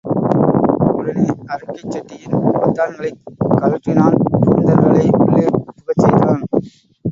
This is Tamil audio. உடனே, அரைக்கைச் சட்டையின் பொத்தான்களைக் கழற்றினான் பூந்தென்றலை உள்ளே புகச் செய்தான்.